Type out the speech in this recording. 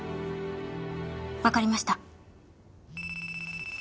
わかりました。